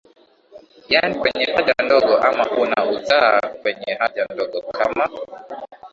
yani kwenye haja ndogo ama una uzaa kwenye haja ndogo kama